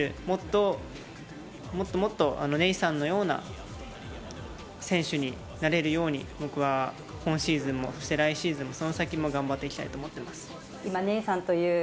もっともっとネイサンのような選手になれるように僕は今シーズンもそして来シーズンもその先も頑張っていきたいと思っています。